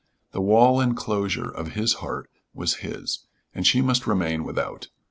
The walled inclosure of his heart was his, and she must remain without.